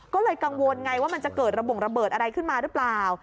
ก็เลยกังวลไงว่ามันจะเกิดระบงระเบิดอะไรขึ้นมาหรือเปล่า